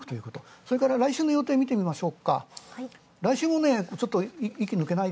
それから来週の予定見てみましょう。